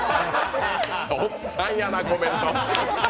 おっさんやな、コメント。